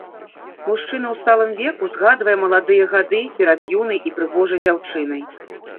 Мужчына ў сталым веку згадвае маладыя гады перад юнай і прыгожай дзяўчынай.